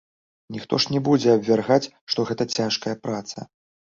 Ніхто ж не будзе абвяргаць, што гэта цяжкая праца.